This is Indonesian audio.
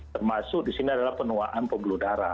termasuk di sini adalah penuaan pembuluh darah